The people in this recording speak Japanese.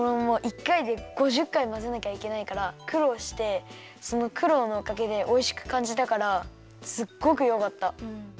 もう１かいで５０かいまぜなきゃいけないからくろうしてそのくろうのおかげでおいしくかんじたからすっごくよかった。